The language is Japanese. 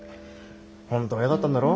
本当は嫌だったんだろ？